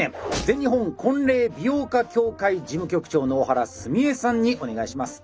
全日本婚礼美容家協会事務局長の小原澄江さんにお願いします。